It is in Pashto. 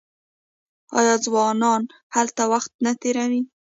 آیا ځوانان هلته وخت نه تیروي؟